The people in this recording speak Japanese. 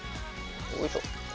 おいしょ。